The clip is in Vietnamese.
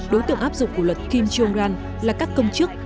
đối tượng áp dụng của luật kim jong un là các công chức